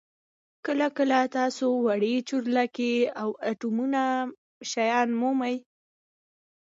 کله کله تاسو وړې چورلکې او اټومي شیان مومئ